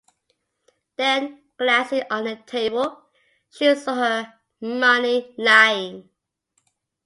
Then, glancing on the table, she saw her money lying.